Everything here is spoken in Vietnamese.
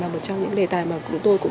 một trong những đề tài của chúng tôi